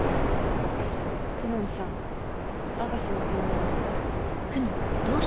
やっぱり公文さんアガサの病院に？